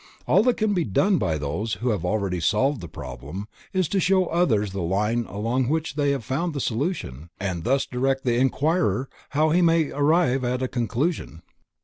All that can be done by those who have really solved the problem, is to show to others the line along which they have found the solution, and thus direct the inquirer how he also may arrive at a conclusion.